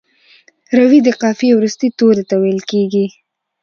روي د قافیې وروستي توري ته ویل کیږي.